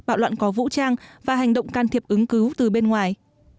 bạo loạn có vũ trang và hành động can thiệp ứng cứu từ bên ngoài